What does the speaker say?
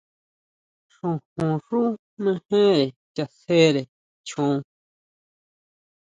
Xojón xú mejere chasjere chon.